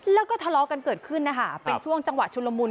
แล้วก็ทะเลาะกันเกิดขึ้นนะคะเป็นช่วงจังหวะชุลมุน